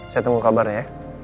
saya tunggu kabarnya ya